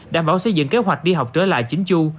đảm bảo xây dựng kế hoạch đi học trở lại chính chu